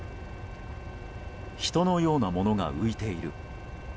人のようなものが浮いている。